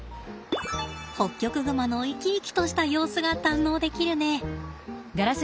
ホッキョクグマの生き生きとした様子が堪能できるね。